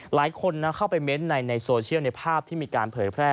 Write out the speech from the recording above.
หลายคนเข้าไปเม้นต์ในโซเชียลในภาพที่มีการเผยแพร่